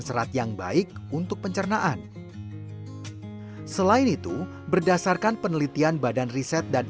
serat yang baik untuk pencernaan selain itu berdasarkan penelitian badan riset dan